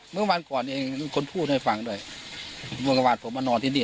เมื่อวานก่อนเองคนพูดให้ฟังด้วยบริกษาบาลผมมานอนที่นี่